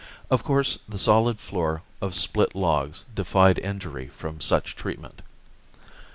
Of course, the solid floor of split logs defied injury from such treatment.